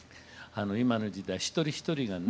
今の時代一人一人がね